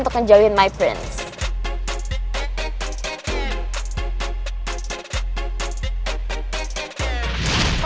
untuk ngejauhin my prince